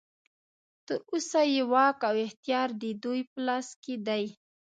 تر اوسه یې واک او اختیار ددوی په لاس کې دی.